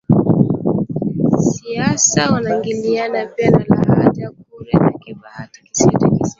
kiasi wanaingiliana pia na lahaja za Kikurya za Kikabhwa Kisweta na Kisimbiti